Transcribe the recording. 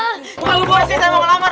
gua gua sih ga mau ngelamar